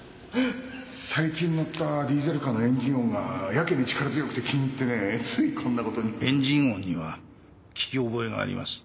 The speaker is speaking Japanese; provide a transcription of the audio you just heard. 最近乗ったディーゼルカーのエンジン音がやけに力強くて気に入ってねついこんなことにエンジン音には聞き覚えがあります。